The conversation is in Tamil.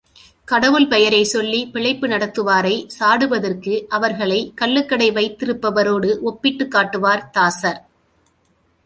கடவுள் பெயரைச் சொல்லிப் பிழைப்பு நடத்துவாரைச் சாடுவதற்கு அவர்களைக் கள்ளுக்கடை வைத்திருப்பவரோடு ஒப்பிட்டுக் காட்டுவார் தாசர்.